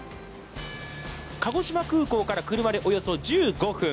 鹿児島空港から車でおよそ１５分。